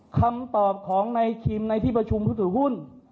คำตอบของนายคิมในที่ประชุมผู้ถือหุ้น